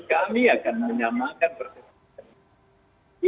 kami akan menyamakan persidangan ini